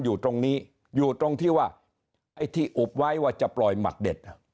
อยู่ตรงนี้อยู่ตรงที่ว่าไอ้ที่อุบไว้ว่าจะปล่อยหมัดเด็ด